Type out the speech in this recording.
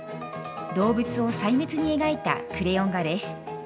動物を細密に描いたクレヨン画です。